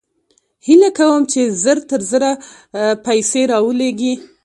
هېله کوم چې زر تر زره پیسې راولېږې